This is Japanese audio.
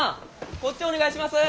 こっちお願いします！